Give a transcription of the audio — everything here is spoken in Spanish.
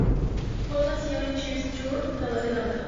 Cole nació en Christchurch, Nueva Zelanda.